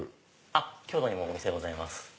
京都にもお店ございます。